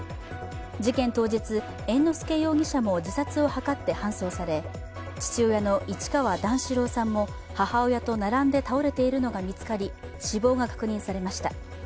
事件当日、猿之助容疑者も自殺を図って搬送され父親の市川段四郎さんも母親と並んで倒れているのが見つかり、死亡が確認されました。